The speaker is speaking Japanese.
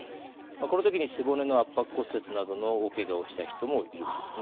この時に背骨の圧迫骨折などの大けがをした人もいるんですね。